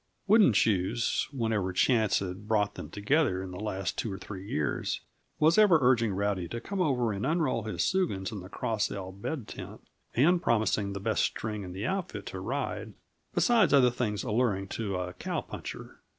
Wooden Shoes, whenever chance had brought them together in the last two or three years, was ever urging Rowdy to come over and unroll his soogans in the Cross L bed tent, and promising the best string in the outfit to ride besides other things alluring to a cow puncher.